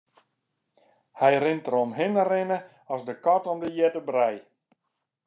Hy rint deromhinne rinne as de kat om de hjitte brij.